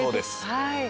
はい。